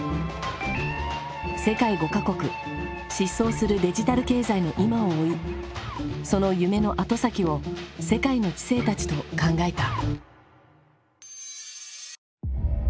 世界５か国疾走するデジタル経済の今を追いその夢の後先を世界の知性たちと考えた。